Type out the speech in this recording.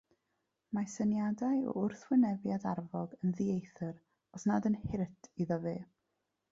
Mae syniadau o wrthwynebiad arfog yn ddieithr, os nad yn hurt, iddo fe.